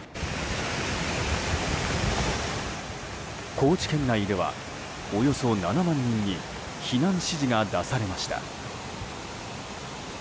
高知県内ではおよそ７万人に避難指示が出されました。